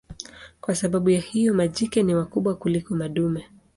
Kwa sababu ya hiyo majike ni wakubwa kuliko madume.